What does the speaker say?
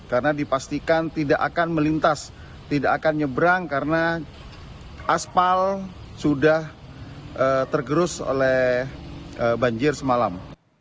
karena dipastikan tidak akan melintas tidak akan nyebrang karena asfal sudah tergerus oleh banjir semalam